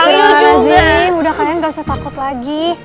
iya udah kalian gak usah takut lagi